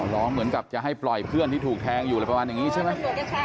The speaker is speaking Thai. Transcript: ร้องเหมือนกับจะให้ปล่อยเพื่อนที่ถูกแทงอยู่อะไรประมาณอย่างนี้ใช่ไหม